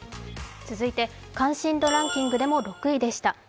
続いて関心度ランキングでも６位でした。